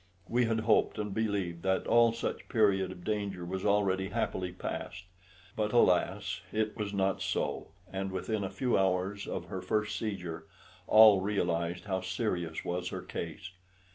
We had hoped and believed that all such period of danger was already happily past; but, alas! it was not so, and within a few hours of her first seizure all realised how serious was her case.